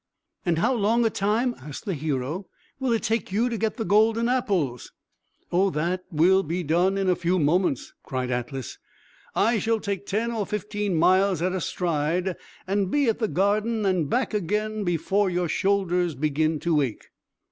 "And how long a time," asked the hero, "will it take you to get the golden apples?" "Oh, that will be done in a few moments," cried Atlas. "I shall take ten or fifteen miles at a stride, and be at the garden and back again before your shoulders begin to ache."